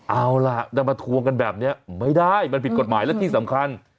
เอาล่ะจะมาทวงกันแบบนี้ไม่ได้มันผิดกฎหมายและที่สำคัญ